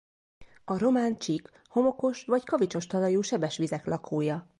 A román csík homokos vagy kavicsos talajú sebes vizek lakója.